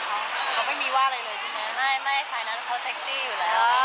เขาไม่มีว่าอะไรเลยใช่ไหม